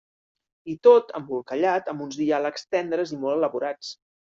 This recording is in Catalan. I tot embolcallat amb uns diàlegs tendres i molt elaborats.